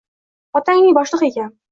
Otangning boshlig`i ekan